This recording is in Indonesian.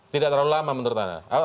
tidak terlalu lama menurut anda